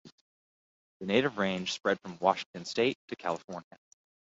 The native range spread from Washington state to California.